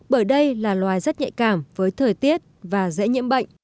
bởi đây là loài rất nhạy cảm với thời tiết và dễ nhiễm bệnh